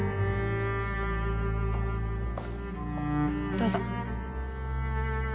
どうぞ。